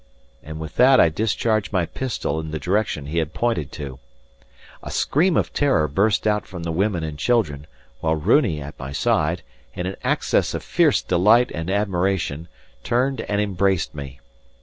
And with that I discharged my pistol in the direction he had pointed to. A scream of terror burst out from the women and children, while Runi at my side, in an access of fierce delight and admiration, turned and embraced me.